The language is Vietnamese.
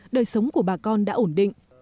đời sống của bà con đã ổn định